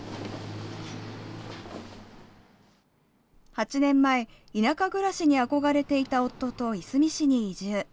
８年前、田舎暮らしに憧れていた夫といすみ市に移住。